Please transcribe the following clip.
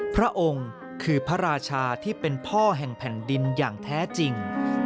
พระองค์คือพระราชาที่เป็นพ่อแห่งแผ่นดินอย่างแท้จริง